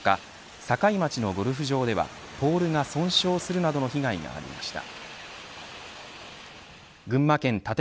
堺町のゴルフ場ではポールが損傷するなどの被害がありました。